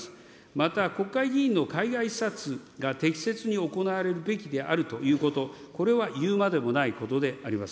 また国会議員の海外視察が適切に行われるべきであるということ、これは言うまでもないことであります。